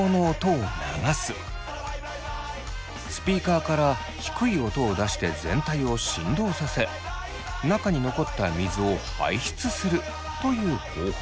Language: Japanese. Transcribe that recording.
スピーカーから低い音を出して全体を振動させ中に残った水を排出するという方法。